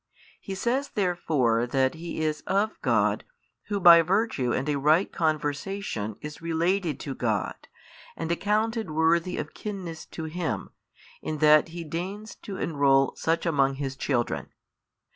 He says therefore that he is of God who by virtue and a right conversation is related to God, and accounted worthy of kinness to Him, in that He deigns to enrol such among His children.